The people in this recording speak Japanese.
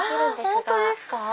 本当ですか！